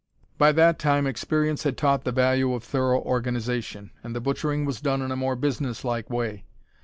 By that time experience had taught the value of thorough organization, and the butchering was done in a more business like way.